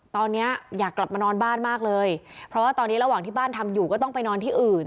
ตอนนี้อยากกลับมานอนบ้านมากเลยเพราะว่าตอนนี้ระหว่างที่บ้านทำอยู่ก็ต้องไปนอนที่อื่น